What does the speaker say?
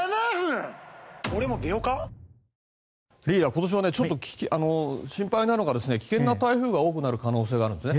今年はちょっと心配なのが危険な台風が多くなる可能性があるんです。